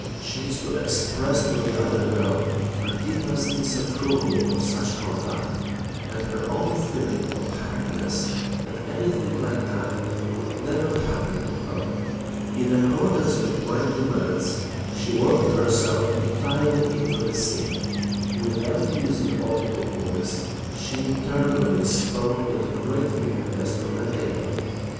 She is to express to the other girl her deepest disapproval of such conduct and her own feeling of happiness that anything like that could never happen to her. In accordance with my demands, she worked herself entirely into the scene: without using audible voice, she internally spoke with great vividness to her neighbor.